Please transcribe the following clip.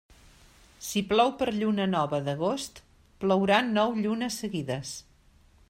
Si plou per lluna nova d'agost, plourà nou llunes seguides.